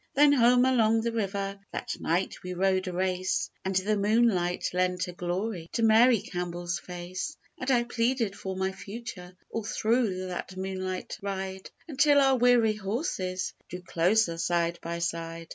Then home along the river That night we rode a race, And the moonlight lent a glory To Mary Campbell's face; And I pleaded for my future All thro' that moonlight ride, Until our weary horses Drew closer side by side.